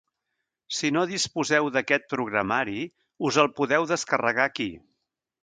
Si no disposeu d'aquest programari, us el podeu descarregar aquí.